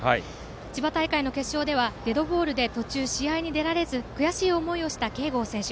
千葉大会の決勝ではデッドボールで途中、試合に出られず悔しい思いをした慶剛選手。